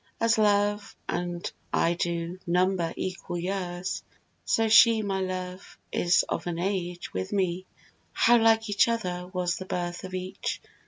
As Love and I do number equal years So she, my love, is of an age with me. How like each other was the birth of each!